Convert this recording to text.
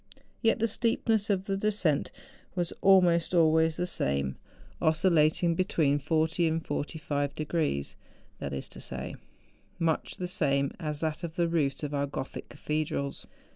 Yet the steepness of the descent was almost always the same, oscil THE JUNGFRAU. 81 lating between 40 and 45 degrees, that is to say. much the same as that of tlie roofs of our Gothic cathedrals.